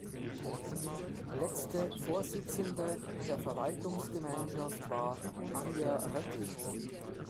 Letzte Vorsitzende der Verwaltungsgemeinschaft war Anja Reckling.